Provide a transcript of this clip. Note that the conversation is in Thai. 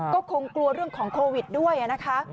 ก็คงกลัวเรื่องของโควิดด้วยนะคะ